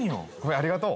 ありがとう。